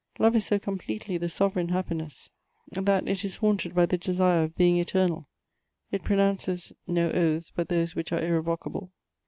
Love is so completely the sovereign happiness, that it is haunted by the desire of being eternal ; it pronounces no oaths but those which are irrevocable.